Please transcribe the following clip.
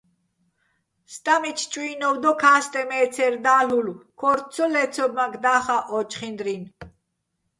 სტამიჩ ჭუ́ინოვ დო, ქასტეჼ მე ცე́რ დალ'ულო̆, ქო́რთო̆ ცო ლე́ცობმაკ და́ხაჸ ო ჩხინდრინ.